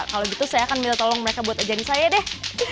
kalau gitu saya akan minta tolong mereka buat ajang saya deh